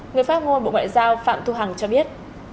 người phát ngôn bộ ngoại giao phạm thu hằng cho biết